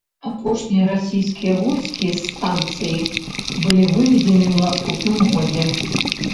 Апошнія расійскія войскі з станцыі былі выведзены ў наступным годзе.